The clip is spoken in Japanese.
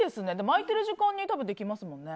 あいてる時間にできますもんね。